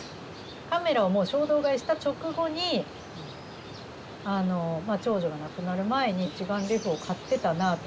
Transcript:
カメラをもう衝動買いした直後にあのまあ長女が亡くなる前に一眼レフを買ってたなあと。